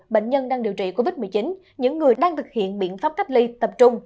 bệnh nhân đang điều trị covid một mươi chín những người đang thực hiện biện pháp cách ly tập trung